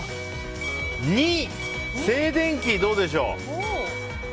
静電気、どうでしょう。